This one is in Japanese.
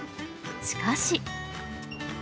しかし。